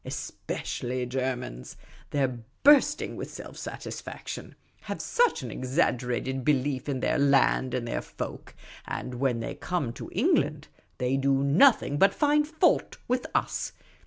Especially Germans. They 're burst ing with self satisfaction — have such an exaggerated belief in their * land ' and their ' folk.' And when they come to England, they do nothing but find faul*" with us.